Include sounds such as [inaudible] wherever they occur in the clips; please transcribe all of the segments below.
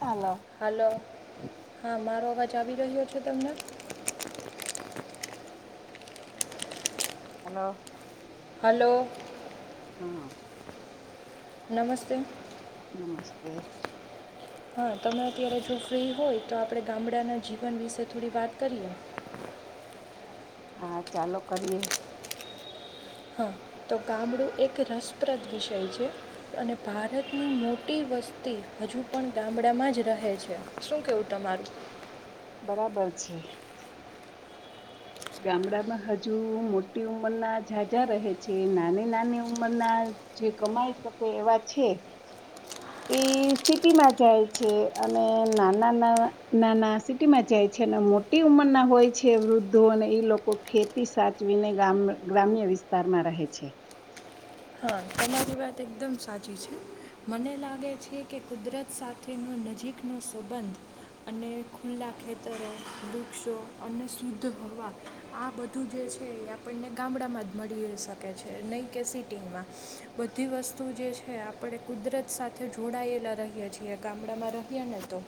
હાલો. Hello હા મારો અવાજ આવી રહ્યો છે તમને હલો હલો હા નમસ્તે નમસ્તે હા તમે અત્યારે જો ફ્રી હોય તો આપણે ગામડાના જીવન વિશે થોડી વાત કરીએ હા ચાલો કરીએ હા તો ગામડું એક રસપ્રદ વિષય છે અને ભારતની મોટી વસ્તી હજુ પણ ગામડામાં જ રહે છે શું કેવું તમારું બરાબર છે ગામડામાં હજુ મોટી ઉંમરના જાઝઝા રહે છે નાની નાની ઉંમરના જે કમાઈ શકે એવા છે એ સિટીમાં જાય છે અને નાના ના નાના સિટીમાં જાય છે અને મોટી ઉંમરના હોય છે વૃદ્ધો અને એ લોકો ખેતી સાચવીને ગામ ગ્રામ્ય વિસ્તારમાં રહે છે હા તમારી વાત એકદમ સાચી છે મને લાગે છે કે કુદરત સાથેનો નજીકનો સંબંધ અને ખુલ્લા ખેતરો વૃક્ષો અને શુદ્ધ હવા આ બધું જે છે એ આપણને ગામડામાં જ મળી શકે છે નહીં કે સિટીમાં બધી વસ્તુ જે છે આપણે કુદરત સાથે જોડાયેલા રહએ છીએ ગામડામાં રહ્યા ને તો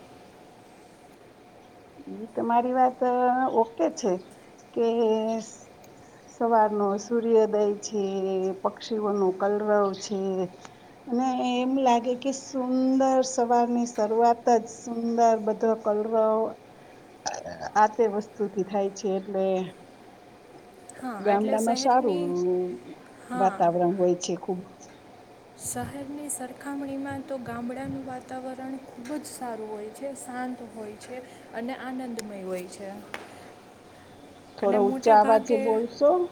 એ તો તમારી વાત ઓકે છે કે સવારનો સૂર્યોદય છે પક્ષીઓ ન કલરવ છે અને એમ લાગે કે સુંદર સવારની શરૂઆત જ સુંદર બધો કલરવ આ તે વસ્તુથી થાય છે એટલે હા એટલે ગામડામાં સારું શહેરની હા વાતાવરણ હોય છે ખુબ શહેરની સરખામણીમાં તો ગામડાનું વાતાવરણ ખૂબ જ સારું હોય છે શાંત હોય છે અને આનંદમય હોય છે અને થોડો ઊંચા મોટા આવાજે ભાગે બોલશો. [inaudible]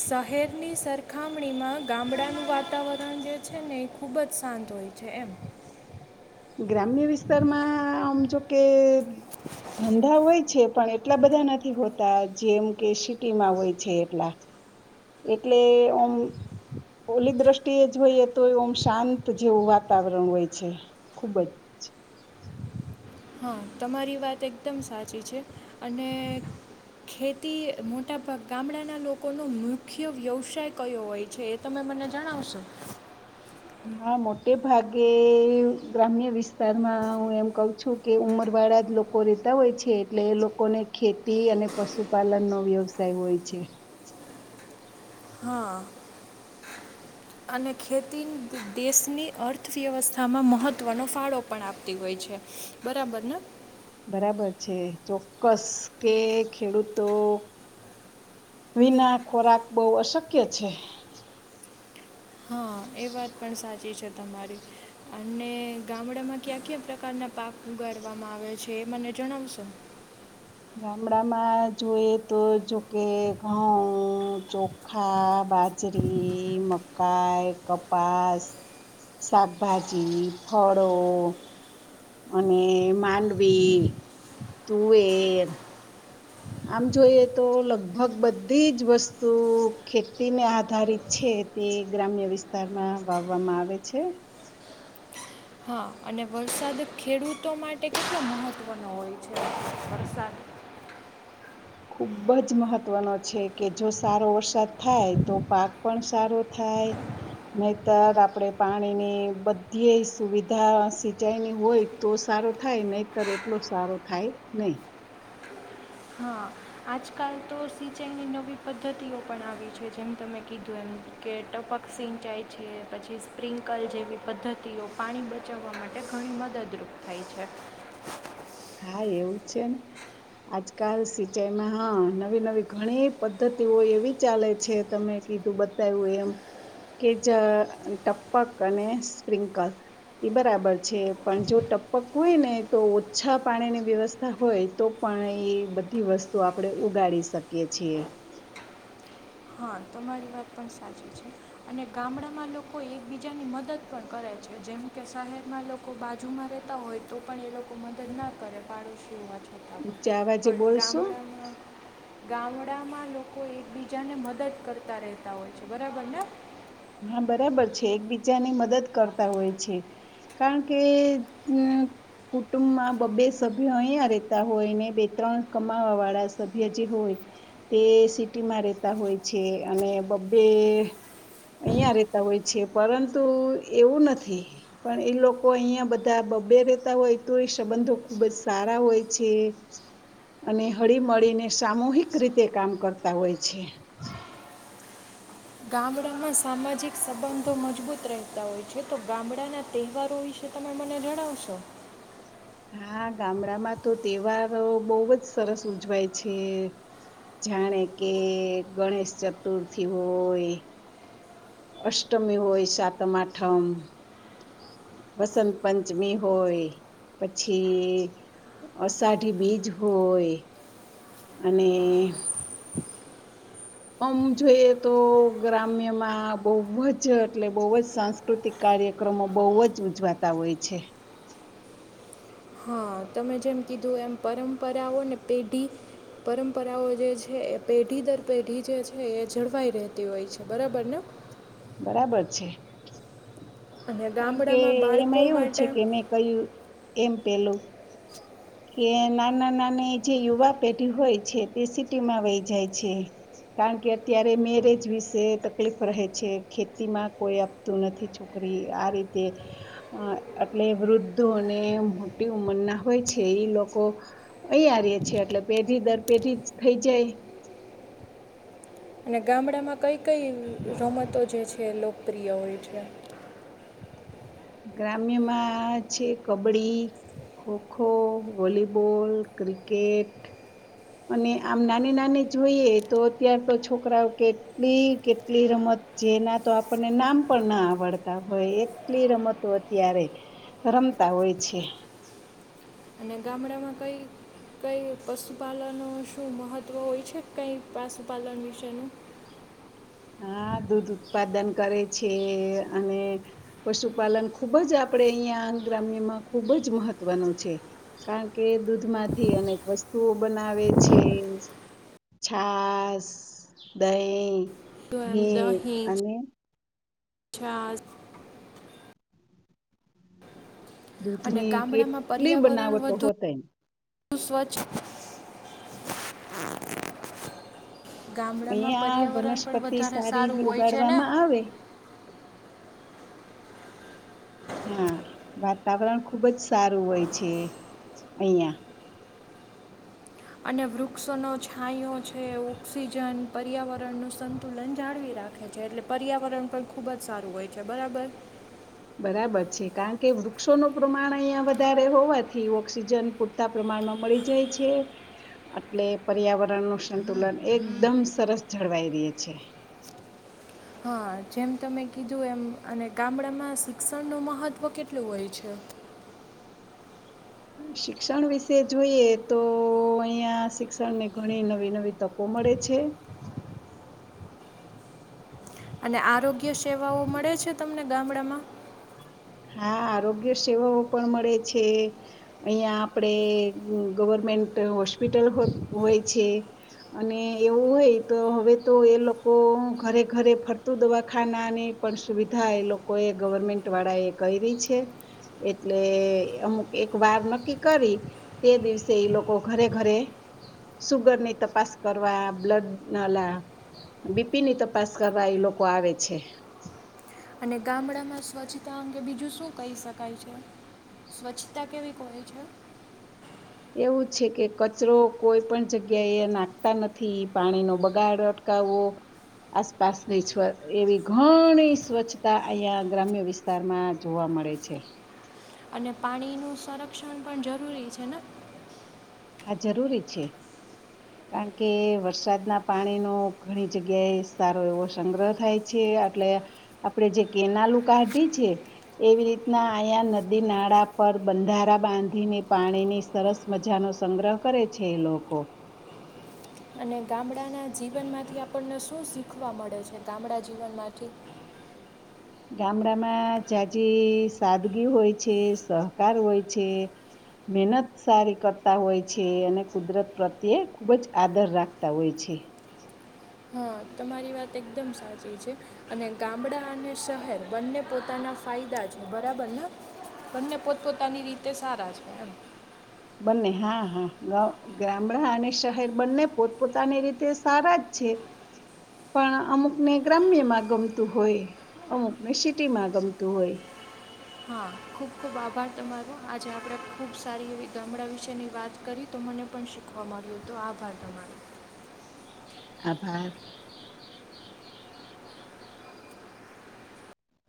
શહેરની સરખામણીમાં ગામડાનું વાતાવરણ જે છે ને એ ખૂબ જ શાંત હોય છે એમ. ગ્રામ્ય વિસ્તારમાં આમ જોકે ધંધા હોય છે પણ એટલા બધા નથી હોતા જેમ કે સિટીમાં હોય છે એટલા એટલે ઓમ ઓલી દ્રષ્ટિએ જોઈએ તો ઓમ શાંત જેવું વાતાવરણ હોય છે. ખુબ જ હા તમારી વાત એકદમ સાચી છે અને ખેતી મોટાભાગ ગામડાના લોકોનો મુખ્ય વ્યવસાય કયો હોય છે એ તમે મને જણાવશો હા મોટે ભાગે ગ્રામ્ય વિસ્તારમાં હું એમ કઉ છું કે ઉંમર વાળા જ લોકો રેતા હોય છે એટલે એ લોકોને ખેતી અને પશુપાલનનો વ્યવસાય હોય છે. હા અને ખેતી દેશની અર્થવ્યવસ્થામાં મહત્વનો ફાળો પણ આપતી હોય છે બરાબર ને. બરાબર છે ચોક્કસ કે ખેડૂતો વિના ખોરાક બઉ અશક્ય છે. હા એ વાત પણ સાચી છે તમારી અને ગામડામાં ક્યાં ક્યા ક્યાં પ્રકારના પાક ઉગાડવામાં આવે છે એ મને જણાવશો. ગામડામાં જોઈએ તો જોકે ઘઉં ચોખા બાજરી મકાઈ કપાસ શાકભાજી ફળો અને માંડવી તુવેર આમ જોઈએ તો લગભગ બધી જ વસ્તુ ખેતીને આધારિત છે તે ગ્રામ્ય વિસ્તારમાં વાવવામાં આવે છે. હા અને વરસાદ ખેડૂતો માટે કેટલો મહત્ત્વનો હોય છે વરસાદ. ખુબ જ મહત્વનો છે કે જો સારો વરસાદ થાય તો પાક પણ સારો થાય નહીતર આપડે પાણીની બધી સુવિધા સિંચાઈની હોય તો સારો થાય નહીતર એટલો સારો થાય નહી. હા આજકાલ તો સિંચાઈની નવી પદ્ધતિઓ પણ આવી છે જેમ તમે કીધું એમ કે ટપક સિંચાઈ છે પછી સ્પ્રિન્કલ જેવી પદ્ધતિઓ પાણી બચાવવા માટે ઘણી મદદરૂપ થાય છે. હા એવું છે ને આજકાલ સિંચાઈમાં હા નવી નવી ઘણી પદ્ધતિઓ એવી ચાલે છે તમે કીધું બતાયવું એમ કે જ ટપક અને સ્પ્રિંકલ એ બરાબર છે પણ જો ટપક હોય ને તો ઓછા પાણીની વ્યવસ્થા હોય તો પણ એ બધી વસ્તુ આપડે ઉગાડી શકીએ છીએ. હા તમારી વાત પણ સાચી છે અને ગામડામાં લોકો એકબીજાની મદદ પણ કરે છે જેમ કે શહેરમાં લોકો બાજુમાં રહેતા હોય તો પણ એ લોકો મદદ ના કરે પાડોશીઆજ ઉચ્ચા આવાજે બોલશો. ગામડામાં લોકો એકબીજાને મદ દદ કરતા રહેતા હોય છે બરાબર ને. હા બરાબર છે એકબીજાની મદદ કરતા હોય છે કારણ કે અમ કુટુંબમાં બબ્બે સભ્ય અહીંયા રહેતા હોય ને બે ત્રણ કમાવાવાળા સભ્ય જે હોય તે સિટીમાં રહેેતા હોય છે અને બબ્બે અહિયાં રેતા હોય છે પરંતુ એવું નથી પણ એ લોકો અહીંયા બધા બબ્બે રેતા હોય તો સંબંધો ખૂબ જ સારા હોય છે અને હળી મળીને સામૂહિક રીતે કામ કરતા હોય છે. ગામડામાં સામાજિક સંબંધો મજબૂત રહેતા હોય છે તો ગામડાના તહેવારો વિશે તમે મને જણાવશો. હા ગામડામાં તો તહેવારો બવ જ સરસ ઉજવાય છે જાણે કે ગણેશ ચતુર્થી હોય. અષ્ટમી હોય સાતમ આઠમ વસંત પંચમી હોય પછી અષાઢી બીજ હોય અને અમ જોઈએ તો ગ્રામ્યમાં બવ જ એટલે બવ જ સાંસ્કૃતિક કાર્યક્રમો બવ જ ઉજવાતા હોય છે. હા તમે જેમ કીધું એમ પરંપરાઓ ને પેઢી પરંપરાઓ જે છે એ પેઢી દર પેઢી જે છે એ જળવાઈ રહેતી હોય છે બરાબર ને. બરાબર છે. અને કારણ કે ગામડામાં એમાં બાળકો એવું માટે છે કે મેં કયું એમ પેલું કે નાના નાની જે યુવા પેઢી હોય છે તે સિટીમાં વહી જાય છે કારણ કે અત્યારે મેરેજ વિશે તકલીફ રહે છે. ખેતીમાં કોઈ આપતું નથી છોકરી આ રીતે એટલે વૃદ્ધો અને મોટુ ઉંમર ના હોય છે લોકો અહીંયા રેય છે એટલે પેઢી દર પેઢી થઈ જાય. અને ગામડા માં કઈ કઈ રમતો જે છ કેે લોકપ્રિય હોય છે. ગ્રામ્યમાં છે કબડ્ડી ખોખો વોલીબોલ ક્રિકેટ અને આમ નાની નાની જોઈએ તો અત્યાર તો છોકરાઓ કેટલી કેટલી રમત જેના તો આપણને નામ પણ ના આવડતા હોય એટલી રમતો અત્યારે રમતા હોય છે. અને ગામડામાં કંઈ કંઈ પશુપાલનો શું મહત્ત્વ હોય છે કંઈ પાશુપાલન વિશેનું હા દૂધ ઉત્પાદન કરે છે અને પશુપાલન ખૂબ જ આપડે અહિયાં ગ્રામ્યમાં ખૂબ જ મહત્વનું છે કારણ કે દૂધમાંથી અનેક વસ્તુઓ બનાવે છે છાસ, દહીં તો હ અને છાસ દૂધની ગામડામાં કેટલી પર્યાવરણ બનાવટો વધુ હો તેમ સ્વચ્છ ગામડામાં અઈયા પર્યાવરણ પણ વનસ્પતિ વધારે સારું સારી હોય છે ને ઉગાડવામાં આવે હા વાતાવરણ ખુબ જ સારું હોય છે અહિયાં અને વૃક્ષોનો છાંયો છે ઓઑક્સિજન પર્યાવરણનું સંતુલન જાળવી રાખે છે એટલે પર્યાવરણ પણ ખૂબ જ સારું હોય છે બરાબર બરાબર છે કારણ કે વૃક્ષોનું પ્રમાણ અહિયાં વધારે હોવાથી ઓક્સિજન પૂરતા પ્રમાણમાં મળી જાય છે એટલે પર્યાવરણ ન સંતુલન એકદમ સરસ જળવાઈ રહી છે હા જેમ તમે કીધું એમ અને ગામડામાં શિક્ષણનું મહત્વ કેટલું હોય છે શિક્ષણ વિશે જોઈએ તો અહિયાં શિક્ષણની ઘણી નવી નવી તકો મળે છે અને આરોગ્ય સેવાઓ મળે છે તમને ગામડામાં હા આરોગ્ય સેવાઓ પણ મળે છે અહિયાં આપડે ગવર્મેન્ટ હોસ્પિટલ હોય છે અને એવું હોય તો હવે તો એ લોકો ઘરે ઘરે ફરતું દવાખાનાની પણ સુવિધા એ લોકો એ ગવર્મેન્ટ વાળા એ કરી છે એટલે અમુક એક વાર નક્કી કરી તે દિવસે લોકો ઘરે ઘરે સુગરની તપાસ કરવા બ્લડ નાલા બીપી ની તપાસ કરવા એ લોકો આવે છે અને ગામડામાં સ્વચ્છતા અંગે બીજું શું કહી શકાય છે સ્વચ્છતા કેવી કહે છે એવું છે કે કચરો કોઈ પણ જગ્યા એ નાખતા નથી પાણીનો બગાડ અટકાવવો આસપાસની એવી ઘણી સ્વચ્છતા અહિયાં ગ્રામ્ય વિસ્તારમાં જોવા મળે છે અને પાણીનું સંરક્ષણ પણ જરૂરી છે ને હ જરૂરી છે કારણ કે વરસાદના પાણીનો ઘણી જગ્યાએ સારો એવો સંગ્રહ થાય છે એટલે આપણે જે કેનાલું કાઢી છે એવી રીતના અહીંયા નદી નાળા પર બંધારા બાંધીને પાણીની સરસ મજાનો સંગ્રહ કરે છે એ લોકો અને ગામડાના જીવનમાંથી આપણને શું શીખવા મળે છે ગામડા જીવનમાંથી ગામડામાં જાઝજી સાદગી હોય છે સહકાર હોય છે મહેનત સારી કરતા હોય છે અને કુદરત પ્રત્યે ખૂબ જ આદર રાખતા હોય છે હા તમારી વાત એકદમ સાચી છે અને ગામડા અને શહેર બંને પોતાના ફાયદા છે બરાબરને બંને પોતપોતાની રીતે સારા છે એમ બંને હા હા ગામડા અને શહેર બંને પોતપોતાની રીતે સારા જ છે પણ અમુકને ગ્રામ્યમાં ગમતું હોય અમુકને સિટીમાં ગમતું હોય હા ખુબ ખુબ આભાર તમારો આજે આપણે ખુબ સારી એવી ગામડા વિશેની વાત કરી તો મને પણ શીખવા મળ્યું હતો આભાર તમારો આભાર